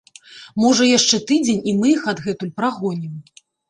Можа яшчэ тыдзень, і мы іх адгэтуль прагонім.